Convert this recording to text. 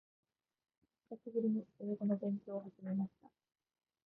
久しぶりに英語の勉強を始めました。